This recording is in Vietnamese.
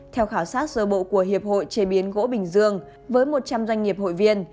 theo khảo sát sơ bộ của hiệp hội chế biến gỗ bình dương với một trăm linh doanh nghiệp hội viên